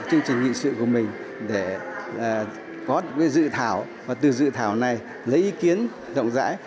chương trình nghị sự của mình để có dự thảo và từ dự thảo này lấy ý kiến rộng rãi